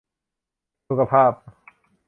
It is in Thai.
สุขภาพ